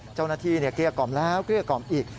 เจ้าหน้าที่เกลี้ยกล่อมแล้วเกลี้ยกล่อมอีก